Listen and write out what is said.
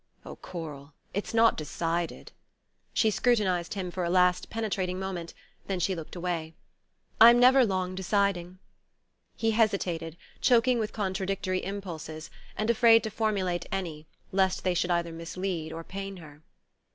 "Oh, Coral it's not decided?" She scrutinized him for a last penetrating moment; then she looked away. "I'm never long deciding." He hesitated, choking with contradictory impulses, and afraid to formulate any, lest they should either mislead or pain her.